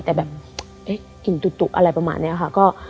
แต่แบบกลิ่นตุ๊อะไรประมาณนี้ค่ะ